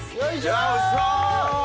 うわおいしそう！